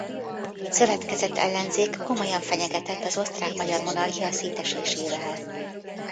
Szövetkezett Ellenzék komolyan fenyegetett az Osztrák–Magyar Monarchia szétesésével.